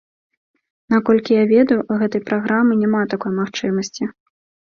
Наколькі я ведаю, у гэтай праграмы няма такой магчымасці.